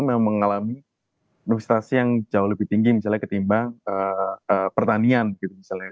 memang mengalami frustrasi yang jauh lebih tinggi misalnya ketimbang pertanian gitu misalnya